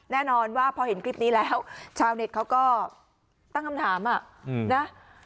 แน่นอนว่าพอเห็นคลิปนี้แล้วชาวเน็ตเขาก็ตั้งคำถามนะ